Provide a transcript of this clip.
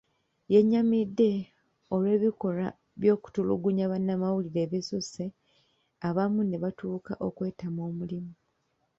Yennyamidde olw'ebikolwa by'okutulugunya bannamawulire ebisusse, abamu ne batuuka okwetamwa omulimu.